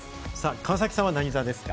川崎さん、何座ですか？